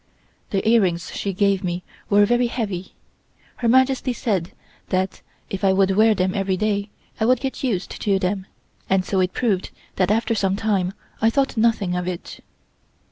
The earrings she gave me were very heavy. Her Majesty said that if I would wear them every day I would get used to them, and so it proved that after some time I thought nothing of it.